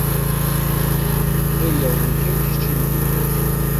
Tɣileḍ nekk am kečč i lliɣ!